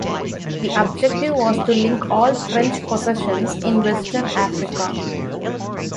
The objective was to link all French possessions in Western Africa.